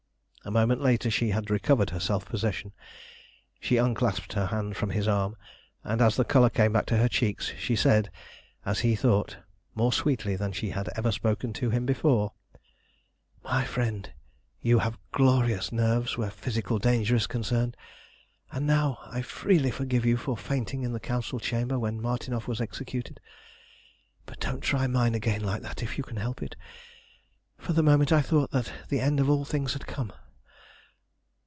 A moment later she had recovered her self possession. She unclasped her hands from his arm, and as the colour came back to her cheeks she said, as he thought, more sweetly than she had ever spoken to him before "My friend, you have glorious nerves where physical danger is concerned, and now I freely forgive you for fainting in the Council chamber when Martinov was executed. But don't try mine again like that if you can help it. For the moment I thought that the end of all things had come.